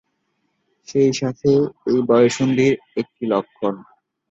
সেই সাথে এই বয়ঃসন্ধির একটি লক্ষণ।